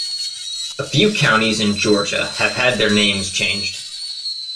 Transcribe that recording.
A few counties in Georgia have had their names changed.